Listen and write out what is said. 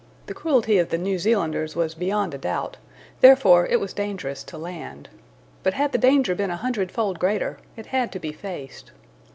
The cruelty of the New Zealanders was beyond a doubt, therefore it was dangerous to land. But had the danger been a hundredfold greater, it had to be faced.